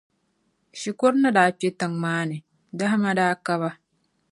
Shikuru ni daa kpe tiŋa maa ni, dahima daa ka ba.